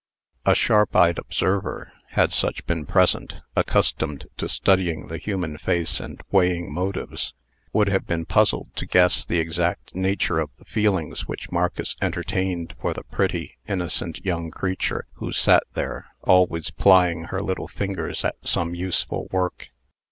A sharp eyed observer, had such been present, accustomed to studying the human face and weighing motives, would have been puzzled to guess the exact nature of the feelings which Marcus entertained for the pretty, innocent young creature who sat there, always plying her little fingers at some useful work.